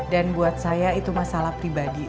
dan buat saya itu masalah pribadi